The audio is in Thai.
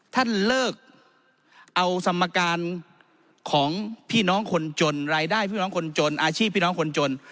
ท่านเลิกเอาสมการของพี่น้องคนจนรายได้พี่น้องคนจนอาชีพพี่น้องคนจน